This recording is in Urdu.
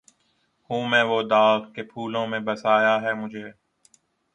ہوں میں وہ داغ کہ پھولوں میں بسایا ہے مجھے